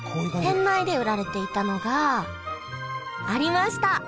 店内で売られていたのがありました！